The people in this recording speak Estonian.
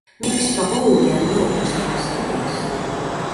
Miks Baboumian loobus lihast ja kalast?